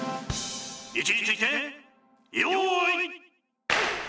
位置について用意。